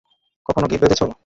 কখনো গিট বেধেছো?